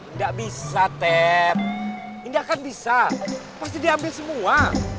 nggak bisa tep indah kan bisa pasti diambil semua